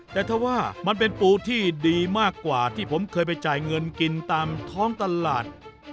แต่ถ้าว่ามันเป็นปูที่ดีมากกว่าที่ผมเคยไปจ่ายเงินกินตามท้องตลาด